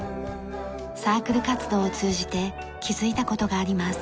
サークル活動を通じて気づいた事があります。